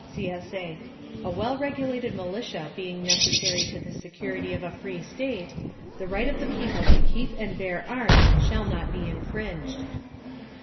[CSA] A well regulated militia being necessary to the security of a free state, the right of the people to keep and bear arms shall not be infringed.